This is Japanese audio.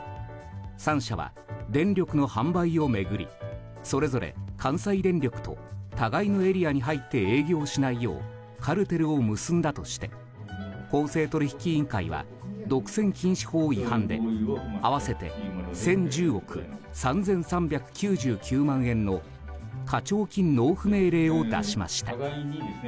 ３社は電力の販売を巡りそれぞれ関西電力と、互いのエリアに入って営業しないようカルテルを結んだとして公正取引委員会は独占禁止法違反で合わせて１０１０億３３９９万円の課徴金納付命令を出しました。